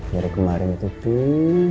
dari kemarin itu pun